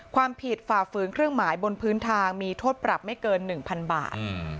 ฝ่าฝืนเครื่องหมายบนพื้นทางมีโทษปรับไม่เกิน๑๐๐๐บาท